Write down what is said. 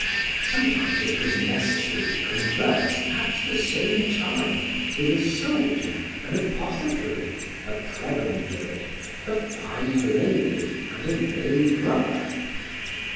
Some times it was necessary to converse at the same time with a soldier, an apothecary, a prebendary, a fine lady, and a lay brother.